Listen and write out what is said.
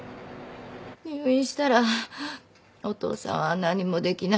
入院したらお父さんは何もできないし。